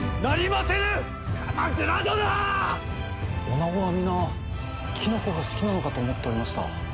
女子は皆きのこが好きなのかと思っておりました。